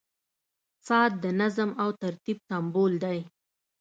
• ساعت د نظم او ترتیب سمبول دی.